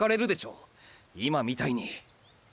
今みたいに。